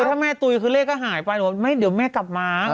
ถ้าแม่ตุ๋ยคือเลขก็หายไปหนูว่าไม่เดี๋ยวแม่กลับมา